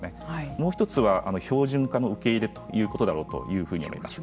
もう一つは標準化の受け入れということだろうと思います。